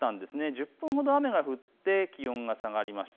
１０分ほど雨が降って気温が下がりました。